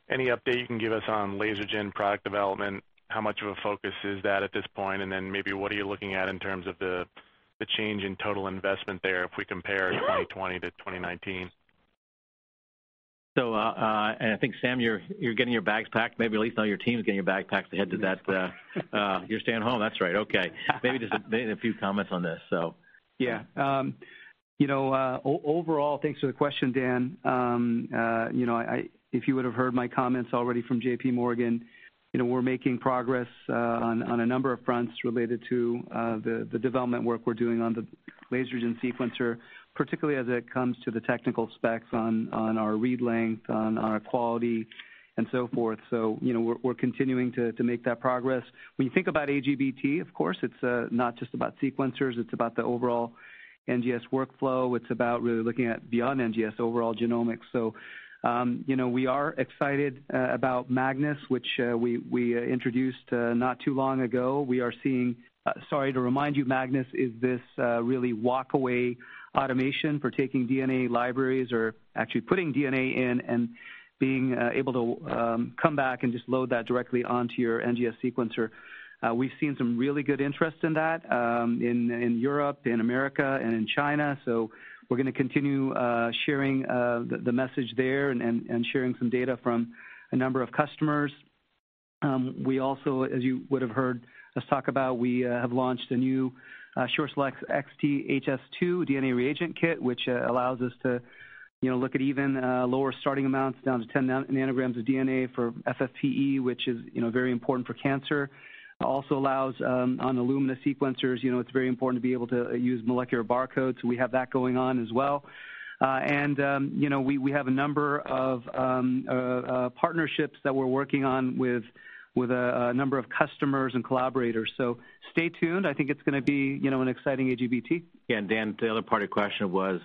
Any update you can give us on Lasergen product development? How much of a focus is that at this point? Maybe what are you looking at in terms of the change in total investment there, if we compare 2020 to 2019? And I think, Sam, you're getting your bags packed, maybe at least all your team's getting your bag packed. You're staying home. That's right, okay. Maybe just a few comments on this. Yeah. Overall, thanks for the question, Dan. If you would've heard my comments already from J.P. Morgan, we're making progress on a number of fronts related to the development work we're doing on the Lasergen sequencer, particularly as it comes to the technical specs on our read length, on our quality, and so forth. We're continuing to make that progress. When you think about AGBT, of course, it's not just about sequencers, it's about the overall NGS workflow. It's about really looking at beyond NGS overall genomics. We are excited about Magnis, which we introduced not too long ago. Sorry to remind you, Magnis is this really walk-away automation for taking DNA libraries, or actually putting DNA in and being able to come back and just load that directly onto your NGS sequencer. We've seen some really good interest in that, in Europe, in America, and in China. We are going to continue sharing the message there and sharing some data from a number of customers. We also, as you would've heard us talk about, we have launched a new SureSelect XT HS2 DNA reagent kit, which allows us to look at even lower starting amounts, down to 10 ng of DNA for FFPE, which is very important for cancer. Also allows, on Illumina sequencers, it's very important to be able to use molecular barcodes, so we have that going on as well. We have a number of partnerships that we're working on with a number of customers and collaborators. Stay tuned. I think it's going to be an exciting AGBT. Yeah. Dan, the other part of your question was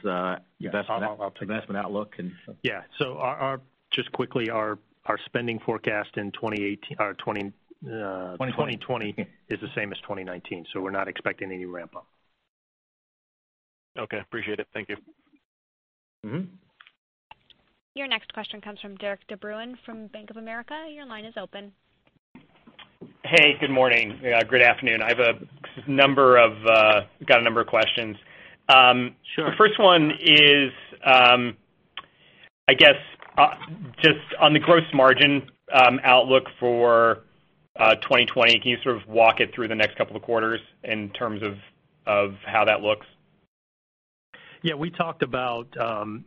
investment outlook. Yeah. just quickly, our spending forecast in 2020 is the same as 2019, so we're not expecting any ramp up. Okay. Appreciate it. Thank you. Your next question comes from Derik De Bruin from Bank of America. Your line is open. Hey, good morning. Good afternoon. I've got a number of questions. Sure. The first one is, I guess, just on the gross margin outlook for 2020, can you sort of walk it through the next couple of quarters in terms of how that looks? Yeah, we talked about,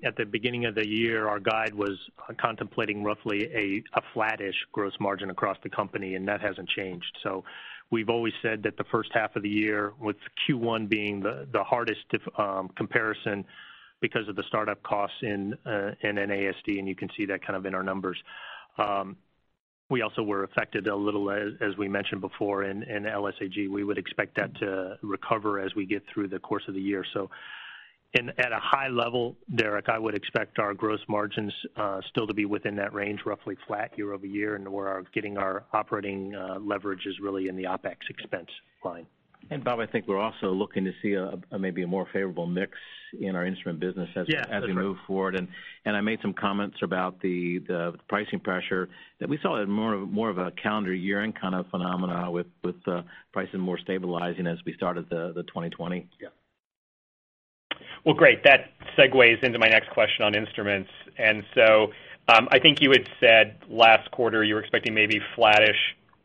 at the beginning of the year, our guide was contemplating roughly a flattish gross margin across the company, and that hasn't changed. We've always said that the H1 of the year, with Q1 being the hardest comparison because of the startup costs in NASD, and you can see that kind of in our numbers. We also were affected a little, as we mentioned before, in LSAG. We would expect that to recover as we get through the course of the year. At a high level, Derik, I would expect our gross margins still to be within that range, roughly flat year-over-year, and where our getting our operating leverage is really in the OpEx expense line. Bob, I think we're also looking to see maybe a more favorable mix in our instrument business. Yeah. That's right. As we move forward. I made some comments about the pricing pressure that we saw more of a calendar year-end kind of phenomena, with the pricing more stabilizing as we started the 2020. Well, great. That segues into my next question on instruments. I think you had said last quarter you were expecting maybe flattish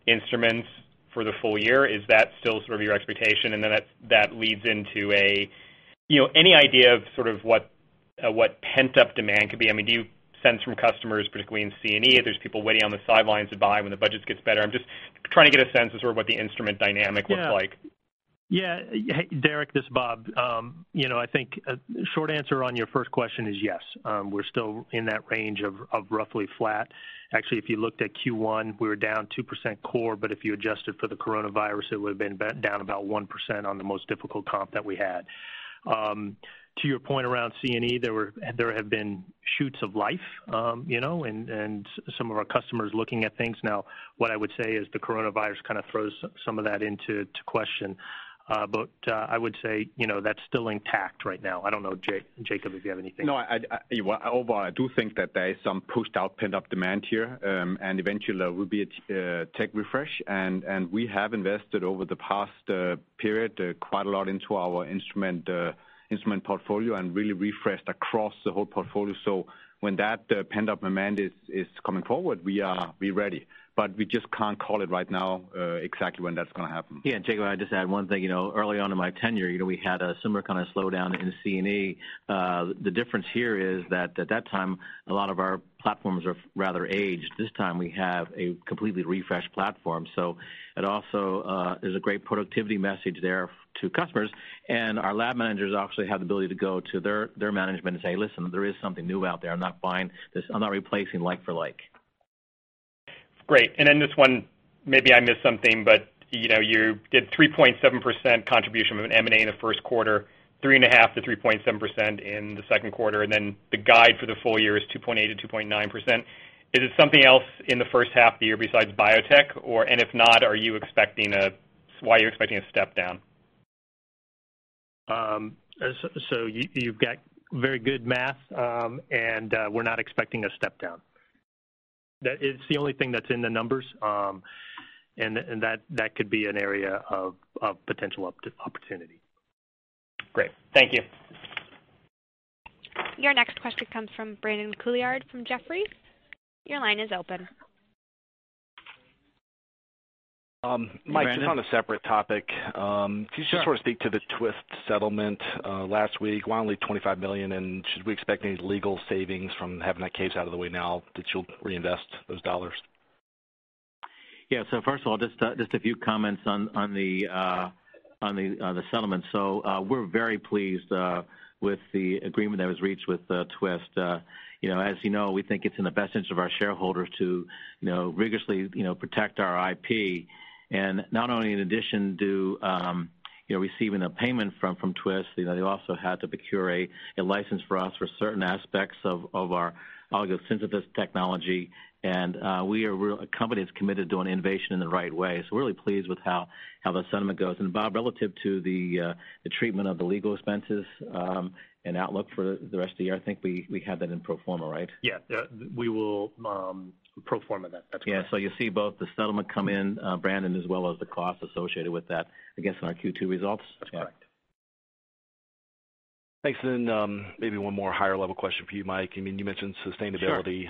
instruments for the full year. Is that still sort of your expectation? That leads into any idea of what pent-up demand could be? Do you sense from customers, particularly in C&E, there's people waiting on the sidelines to buy when the budgets get better? I'm just trying to get a sense of sort of what the instrument dynamic looks like. Derik, this is Bob. I think a short answer on your first question is yes. We're still in that range of roughly flat. If you looked at Q1, we were down 2% core, but if you adjusted for the coronavirus, it would've been down about 1% on the most difficult comp that we had. To your point around C&E, there have been shoots of life, and some of our customers looking at things now. What I would say is the coronavirus kind of throws some of that into question. I would say that's still intact right now. I don't know, Jacob, if you have anything. No, although I do think that there is some pushed out pent-up demand here, and eventually there will be a tech refresh, and we have invested over the past period, quite a lot into our instrument portfolio and really refreshed across the whole portfolio. When that pent-up demand is coming forward, we are ready, but we just can't call it right now exactly when that's going to happen. Yeah, Jacob, I'd just add one thing. Early on in my tenure, we had a similar kind of slowdown in C&E. The difference here is that at that time, a lot of our platforms are rather aged. This time, we have a completely refreshed platform. It also is a great productivity message there to customers. Our lab managers obviously have the ability to go to their management and say, "Listen, there is something new out there. I'm not finding this. I'm not replacing like for like. Great. This one, maybe I missed something, but you did 3.7% contribution from an M&A in Q1, 3.5%-3.7% in Q2, and then the guide for the full year is 2.8%-2.9%. Is it something else in the H1 of the year besides BioTek? If not, why are you expecting a step down? You've got very good math, and we're not expecting a step down. That is the only thing that's in the numbers, and that could be an area of potential opportunity. Great. Thank you. Your next question comes from Brandon Couillard, from Jefferies. Your line is open. Mike, just on a separate topic. Sure. Can you just sort of speak to the Twist settlement last week, why only $25 million, and should we expect any legal savings from having that case out of the way now that you'll reinvest those dollars? First of all, just a few comments on the settlement. We're very pleased with the agreement that was reached with Twist. As you know, we think it's in the best interest of our shareholders to rigorously protect our IP, not only in addition to receiving a payment from Twist, they also had to procure a license for us for certain aspects of our oligo synthesis technology. We as a company is committed to doing innovation in the right way. We're really pleased with how the settlement goes. Bob, relative to the treatment of the legal expenses, and outlook for the rest of the year, I think we have that in pro forma, right? Yeah. We will pro forma that. That is correct. Yeah, you'll see both the settlement come in, Brandon, as well as the cost associated with that, I guess, in our Q2 results. That's correct. Thanks. Maybe one more higher-level question for you, Mike. You mentioned sustainability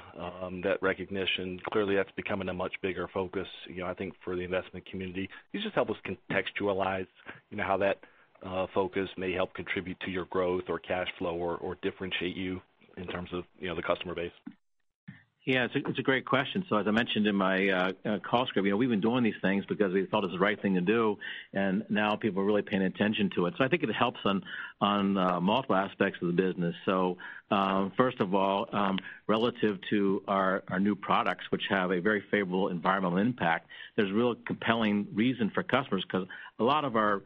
that recognition, clearly that's becoming a much bigger focus, I think, for the investment community. Can you just help us contextualize how that focus may help contribute to your growth or cash flow or differentiate you in terms of the customer base? Yeah, it's a great question. As I mentioned in my call script, we've been doing these things because we thought it was the right thing to do, and now people are really paying attention to it. I think it helps on multiple aspects of the business. First of all, relative to our new products, which have a very favorable environmental impact, there's real compelling reason for customers because a lot of our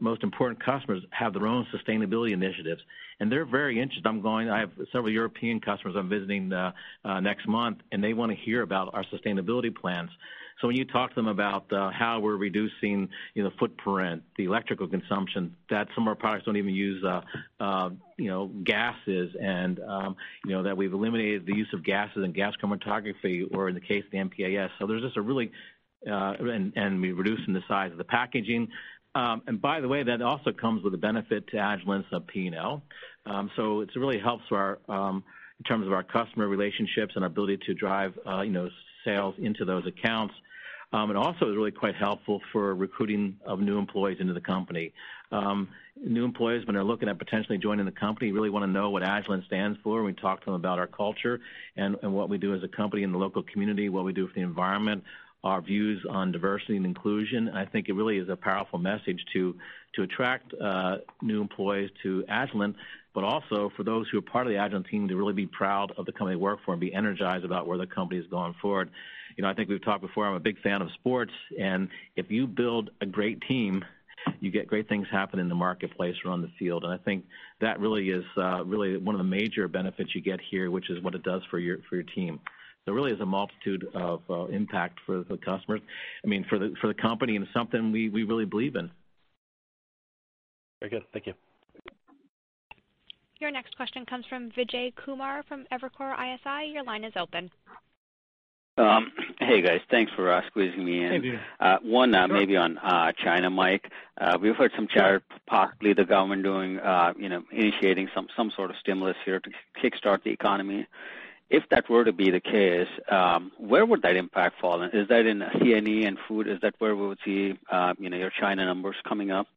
most important customers have their own sustainability initiatives, and they're very interested. I have several European customers I'm visiting next month, and they want to hear about our sustainability plans. When you talk to them about how we're reducing footprint, the electrical consumption, that some of our products don't even use gases and that we've eliminated the use of gases and gas chromatography or in the case of the MP-AES, and we're reducing the size of the packaging. By the way, that also comes with a benefit to Agilent's P&L. It really helps in terms of our customer relationships and our ability to drive sales into those accounts. Also is really quite helpful for recruiting of new employees into the company. New employees, when they're looking at potentially joining the company, really want to know what Agilent stands for, and we talk to them about our culture and what we do as a company in the local community, what we do for the environment, our views on diversity and inclusion. I think it really is a powerful message to attract new employees to Agilent, also for those who are part of the Agilent team to really be proud of the company they work for and be energized about where the company is going forward. I think we've talked before, I'm a big fan of sports, if you build a great team, you get great things happening in the marketplace or on the field, I think that really is one of the major benefits you get here, which is what it does for your team. There really is a multitude of impact for the customers, I mean, for the company, something we really believe in. Very good. Thank you. Your next question comes from Vijay Kumar from Evercore ISI. Your line is open. Hey, guys. Thanks for squeezing me in. Hey, Vijay. Sure. One maybe on China, Mike. We've heard some chatter, possibly the government initiating some sort of stimulus here to kickstart the economy. If that were to be the case, where would that impact fall? Is that in C&E and food? Is that where we would see your China numbers coming up?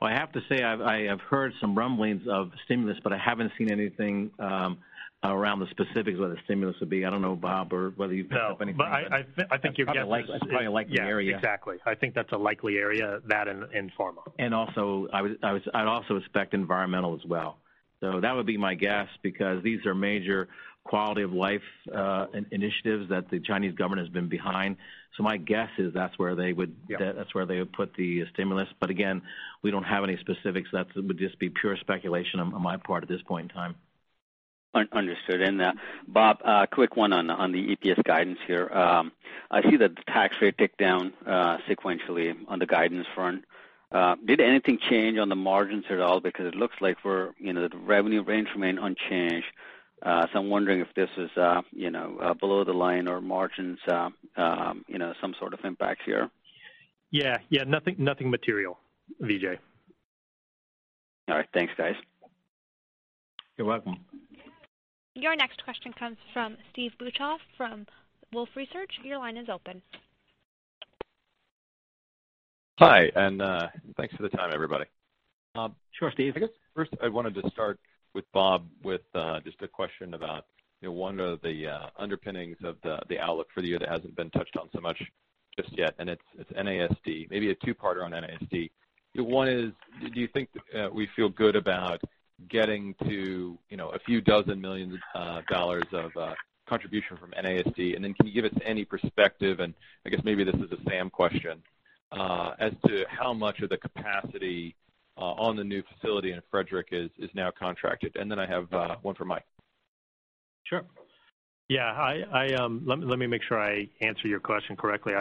Well, I have to say, I have heard some rumblings of stimulus, but I haven't seen anything around the specifics of the stimulus would be. I don't know, Bob, whether you've picked up anything. No. That's probably a likely area. Yeah, exactly. I think that's a likely area. That and pharma. I'd also expect environmental as well. That would be my guess, because these are major quality of life initiatives that the Chinese government has been behind. My guess is that's where they would put the stimulus. Again, we don't have any specifics. That would just be pure speculation on my part at this point in time. Understood. Bob, a quick one on the EPS guidance here. I see that the tax rate ticked down sequentially on the guidance front. Did anything change on the margins at all? It looks like the revenue range remained unchanged. I'm wondering if this is below the line or margins, some sort of impact here. Yeah. Nothing material, Vijay. All right. Thanks, guys. You're welcome. Your next question comes from Steve Beuchaw from Wolfe Research. Your line is open. Hi, and thanks for the time, everybody. Sure, Steve. I guess first I wanted to start with Bob, with just a question about one of the underpinnings of the outlook for the year that hasn't been touched on so much just yet, and it's NASD. Maybe a two-parter on NASD. One is, do you think we feel good about getting to a few dozen millions of dollars of contribution from NASD? Can you give us any perspective, and I guess maybe this is a Sam question, as to how much of the capacity on the new facility in Frederick is now contracted? I have one for Mike. Sure. Yeah. Let me make sure I answer your question correctly.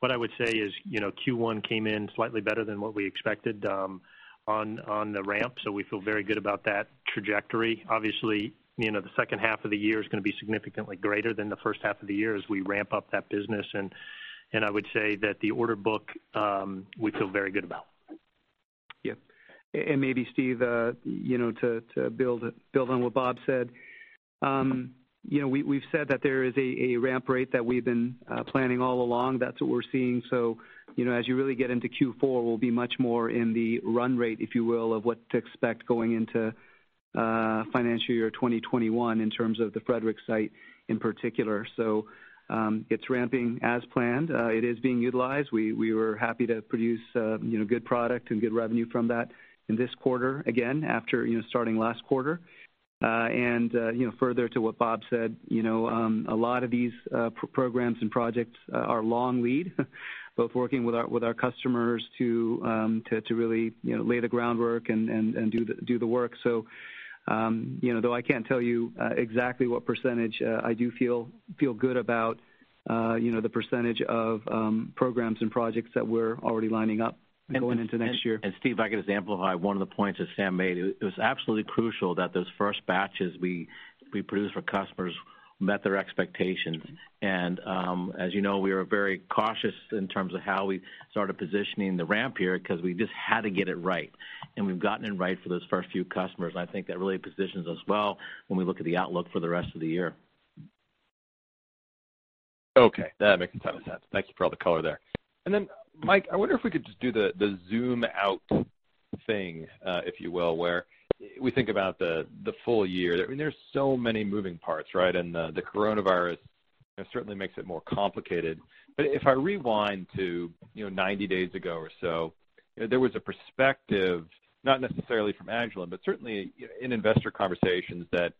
What I would say is Q1 came in slightly better than what we expected on the ramp, so we feel very good about that trajectory. Obviously, the H2 of the year is going to be significantly greater than the H1 of the year as we ramp up that business. I would say that the order book, we feel very good about. Yep. Maybe Steve, to build on what Bob said, we've said that there is a ramp rate that we've been planning all along. That's what we're seeing. As you really get into Q4, we'll be much more in the run rate, if you will, of what to expect going into financial year 2021 in terms of the Frederick site in particular. It's ramping as planned. It is being utilized. We were happy to produce good product and good revenue from that in this quarter, again, after starting last quarter. Further to what Bob said, a lot of these programs and projects are long lead, both working with our customers to really lay the groundwork and do the work. Though I can't tell you exactly what percentage, I do feel good about the percentage of programs and projects that we're already lining up going into next year. Steve, if I could just amplify one of the points that Sam made, it was absolutely crucial that those first batches we produced for customers met their expectations. As you know, we were very cautious in terms of how we started positioning the ramp here because we just had to get it right, and we've gotten it right for those first few customers, and I think that really positions us well when we look at the outlook for the rest of the year. Okay. That makes a ton of sense. Thank you for all the color there. Then Mike, I wonder if we could just do the zoom out thing, if you will, where we think about the full year. There's so many moving parts, right? The coronavirus certainly makes it more complicated. If I rewind to 90 days ago or so, there was a perspective, not necessarily from Agilent, but certainly in investor conversations, that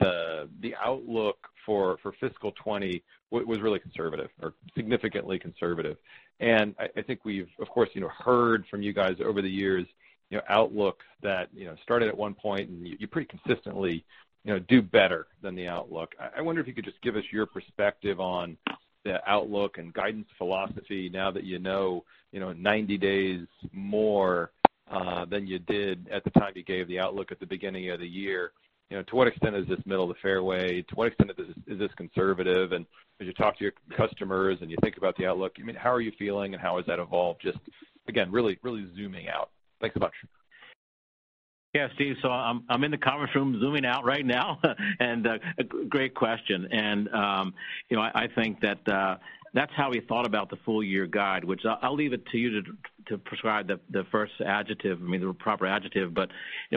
the outlook for fiscal 2020 was really conservative or significantly conservative. I think we've, of course, heard from you guys over the years, outlooks that started at one point, and you pretty consistently do better than the outlook. I wonder if you could just give us your perspective on the outlook and guidance philosophy now that you know 90 days more than you did at the time you gave the outlook at the beginning of the year. To what extent is this middle of the fairway? To what extent is this conservative? And as you talk to your customers and you think about the outlook, how are you feeling and how has that evolved? Just, again, really zooming out. Thanks a bunch. Yeah, Steve, I'm in the conference room zooming out right now. Great question. I think that's how we thought about the full year guide, which I'll leave it to you to prescribe the first adjective, I mean, the proper adjective.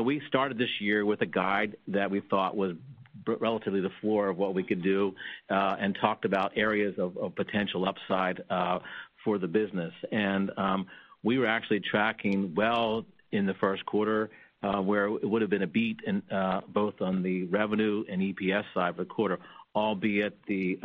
We started this year with a guide that we thought was relatively the floor of what we could do, and talked about areas of potential upside for the business. We were actually tracking well in Q1, where it would've been a beat in both on the revenue and EPS side of the quarter, albeit the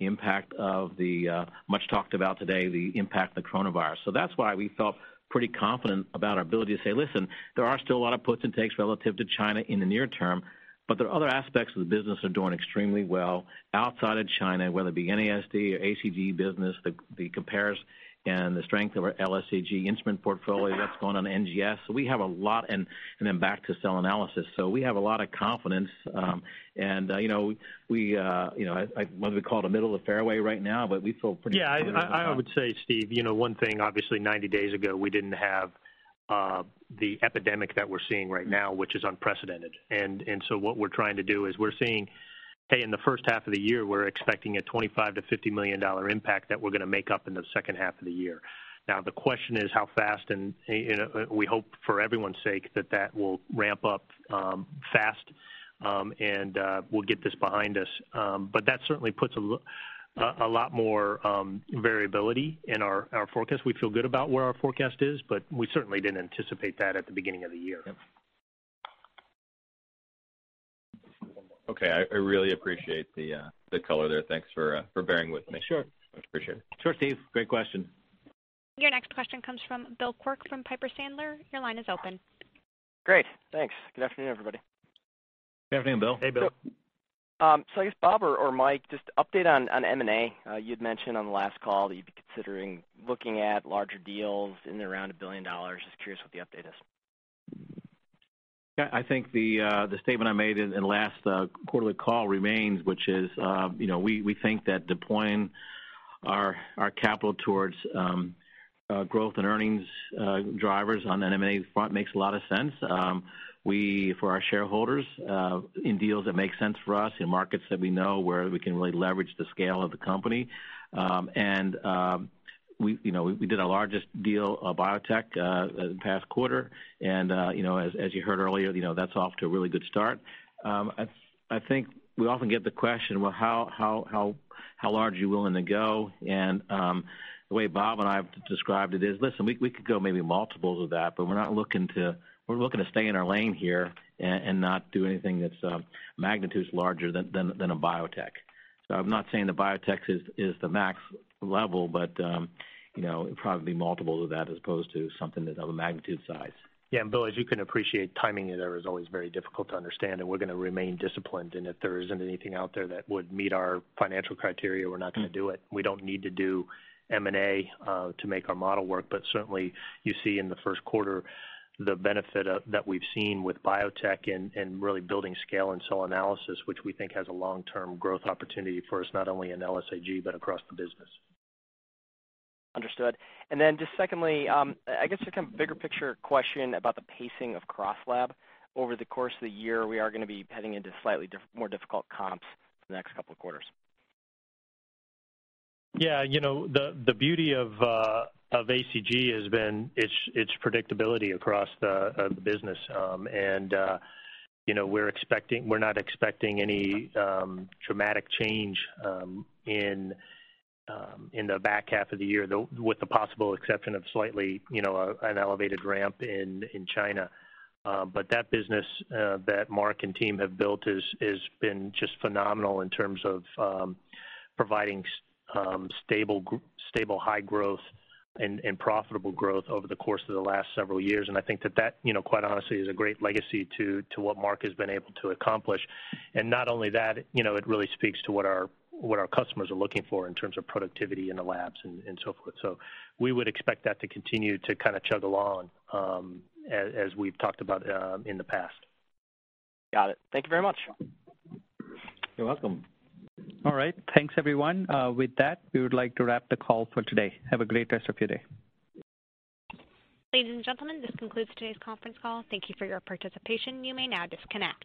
impact of the much talked about today, the impact of the coronavirus. That's why we felt pretty confident about our ability to say, "Listen, there are still a lot of puts and takes relative to China in the near term, but there are other aspects of the business are doing extremely well outside of China, whether it be NASD or ACG business, the compares and the strength of our LSAG instrument portfolio that's going on NGS." We have a lot, and then back to cell analysis. We have a lot of confidence, and I wanted to call it the middle of the fairway right now, but we feel pretty confident about. Yeah, I would say, Steve, one thing, obviously, 90 days ago, we didn't have the epidemic that we're seeing right now, which is unprecedented. What we're trying to do is we're saying, Hey, in the H1 of the year, we're expecting a $25 million-$50 million impact that we're going to make up in the H2 of the year. Now, the question is how fast, and we hope for everyone's sake that that will ramp up fast, and we'll get this behind us. That certainly puts a lot more variability in our forecast. We feel good about where our forecast is, but we certainly didn't anticipate that at the beginning of the year. Yep. I really appreciate the color there. Thanks for bearing with me. Sure. Much appreciate it. Sure, Steve. Great question. Your next question comes from Bill Quirk from Piper Sandler. Your line is open. Great, thanks. Good afternoon, everybody. Good afternoon, Bill. Hey, Bill. I guess, Bob or Mike, just update on M&A. You'd mentioned on the last call that you'd be considering looking at larger deals in around $1 billion. Just curious what the update is. I think the statement I made in last quarterly call remains, which is we think that deploying our capital towards growth and earnings drivers on the M&A front makes a lot of sense. For our shareholders, in deals that make sense for us, in markets that we know where we can really leverage the scale of the company. We did our largest deal, BioTek, in the past quarter, and as you heard earlier, that's off to a really good start. I think we often get the question, "Well, how large are you willing to go?" The way Bob and I have described it is, "Listen, we could go maybe multiples of that, but we're looking to stay in our lane here and not do anything that's magnitudes larger than a BioTek." I'm not saying that BioTek is the max level, but it'd probably be multiples of that as opposed to something that's of a magnitude size. Yeah. Bill, as you can appreciate, timing there is always very difficult to understand, and we're going to remain disciplined. If there isn't anything out there that would meet our financial criteria, we're not going to do it. We don't need to do M&A to make our model work. Certainly, you see in Q1, the benefit that we've seen with BioTek and really building scale and cell analysis, which we think has a long-term growth opportunity for us, not only in LSAG, but across the business. Understood. Then just secondly, I guess just kind of a bigger picture question about the pacing of CrossLab? Over the course of the year, we are going to be heading into slightly more difficult comps the next couple of quarters. Yeah. The beauty of ACG has been its predictability across the business. We're not expecting any dramatic change in the H2 of the year, with the possible exception of slightly an elevated ramp in China. That business that Mark and team have built has been just phenomenal in terms of providing stable high growth and profitable growth over the course of the last several years. I think that that, quite honestly, is a great legacy to what Mark has been able to accomplish. Not only that, it really speaks to what our customers are looking for in terms of productivity in the labs and so forth. We would expect that to continue to chug along, as we've talked about in the past. Got it. Thank you very much. You're welcome. All right. Thanks, everyone. With that, we would like to wrap the call for today. Have a great rest of your day. Ladies and gentlemen, this concludes today's conference call. Thank you for your participation. You may now disconnect.